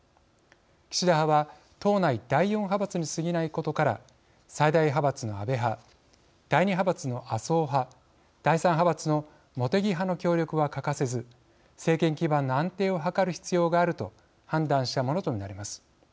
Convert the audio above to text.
岸田派は党内第４派閥にすぎないことから最大派閥の安倍派第２派閥の麻生派第３派閥の茂木派の協力は欠かせず政権基盤の安定を図る必要があると判断したものと見られます。